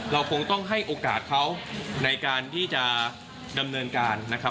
เราคงต้องให้โอกาสเขาในการที่จะดำเนินการนะครับ